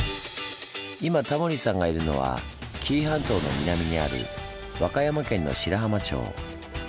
今タモリさんがいるのは紀伊半島の南にある和歌山県の白浜町。